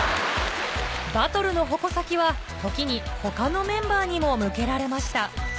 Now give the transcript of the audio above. バトルの矛先は時にほかのメンバーにも向けられました。